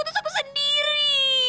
terus aku sendiri